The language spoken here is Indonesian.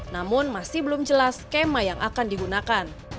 namun masih belum jelas skema yang akan digunakan